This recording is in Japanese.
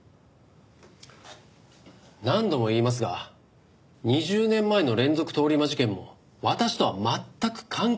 何度も言いますが２０年前の連続通り魔事件も私とは全く関係ありません。